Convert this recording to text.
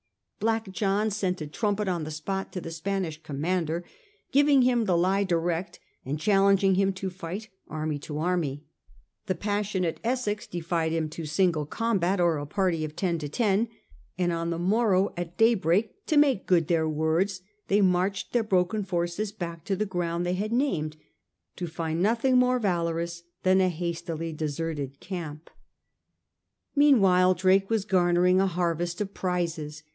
*' Black John " sent a trumpet on the spot to the Spanish com mander giving him the lie direct and challenging him to fight^ army to army ; the passionate Essex defied him to single combat or a party of ten to ten ; and on the morrow at daybreak to make good their words they marched their broken forces back to the ground they had named, — to find nothing more valorous than a hastily deserted camp. Meanwhile Drake was garnering a harvest of prizes.